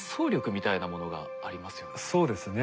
そうですね。